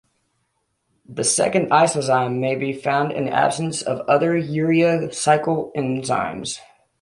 The second isozyme may be found in the absence of other urea cycle enzymes.